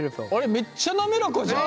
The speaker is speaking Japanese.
めっちゃ滑らかじゃん。